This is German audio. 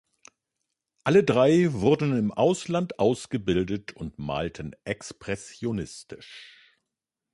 Alle drei wurden im Ausland ausgebildet und malten expressionistisch.